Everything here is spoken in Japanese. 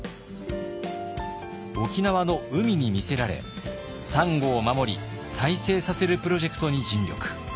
沖縄の海に魅せられサンゴを守り再生させるプロジェクトに尽力。